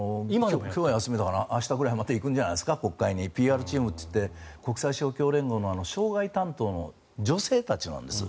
今日は休みだからまた明日ぐらいに行くんじゃないですか国会に、ＰＲチームといって国際勝共連合の渉外担当の女性たちなんです。